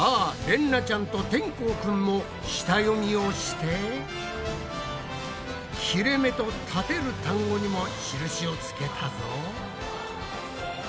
れんなちゃんとてんこうくんも下読みをして切れめとたてる単語にも印をつけたぞ。